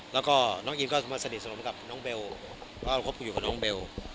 แล้วก็น้องอินก็มาสนิทสนมกับน้องเบลแล้วก็คบอยู่กับน้องเบล